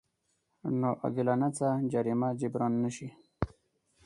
ناعادلانه څه جريمه جبران نه شي.